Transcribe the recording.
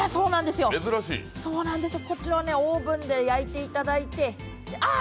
こちらをオーブンで焼いていただいて、ああっ！